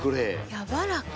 やわらか。